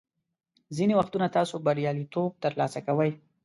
ځینې وختونه تاسو بریالیتوب ترلاسه کوئ.